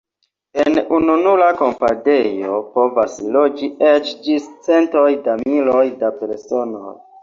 En ununura kampadejo povas loĝi eĉ ĝis centoj da miloj da personoj.